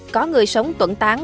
có người sống tuẩn tán